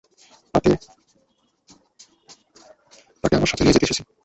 তাকে আমার সাথে নিয়ে যেতে এসেছি।